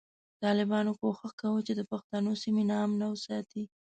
ټالبانو کوشش کوو چی د پښتنو سیمی نا امنه وساتی